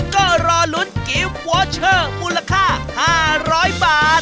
ก็รอลุ้นกิฟต์วอเชอร์มูลค่า๕๐๐บาท